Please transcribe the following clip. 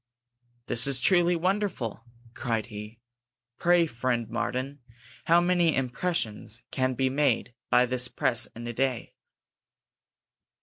"This is truly wonderful," cried he. "Pray, friend Martin, how many impressions can be made by this press in a day?"